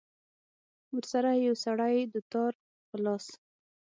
ورسره يو سړى دوتار په لاس.